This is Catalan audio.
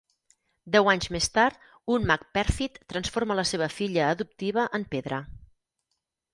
Deu anys més tard, un mag pèrfid transforma la seva filla adoptiva en pedra.